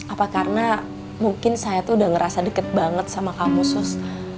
apa karena mungkin saya tuh udah ngerasa deket banget sama kamu sus